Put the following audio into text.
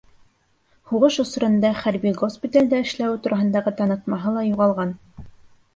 Һуғыш осоронда хәрби госпиталдә эшләүе тураһындағы танытмаһы ла юғалған.